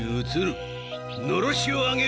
のろしを上げよ！